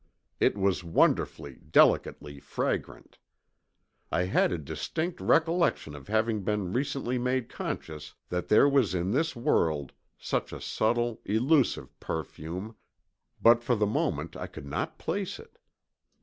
It was wonderfully, delicately fragrant. I had a distinct recollection of having been recently made conscious that there was in this world such a subtle, elusive perfume, but for the moment I could not place it.